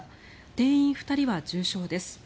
店員２人は重傷です。